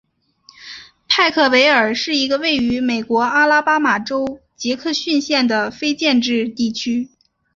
派克维尔是一个位于美国阿拉巴马州杰克逊县的非建制地区。